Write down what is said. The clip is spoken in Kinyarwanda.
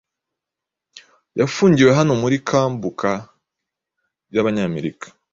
yafungiwe hano muri Camp Bucca y'Abanyamerika